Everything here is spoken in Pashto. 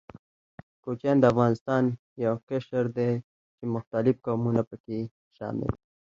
کوچيان د افغانستان يو قشر ده، چې مختلف قومونه پکښې شامل دي.